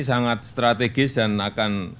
sangat strategis dan akan